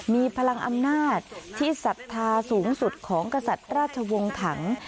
มีพลังอำนาจที่ศรัทธาสูงสุดของกษัตริย์ราชวงศ์ถัง